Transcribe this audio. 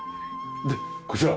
でこちら。